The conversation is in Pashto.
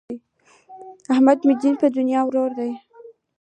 احمد مې دین په دنیا ورور دی.